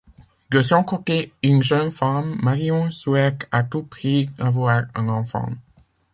De son côté, une jeune femme, Marion, souhaite à tout prix avoir un enfant.